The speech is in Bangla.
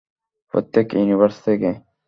প্রত্যেক ইউনিভার্স থেকে।